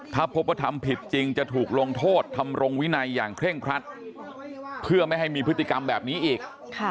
ถ้าพบว่าทำผิดจริงจะถูกลงโทษทำรงวินัยอย่างเคร่งครัดเพื่อไม่ให้มีพฤติกรรมแบบนี้อีก